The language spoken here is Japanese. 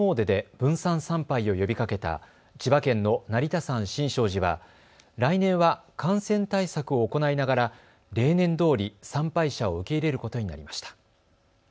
分散参拝を呼びかけた千葉県の成田山新勝寺は来年は感染対策を行いながら例年どおり参拝者を受け入れることになりました。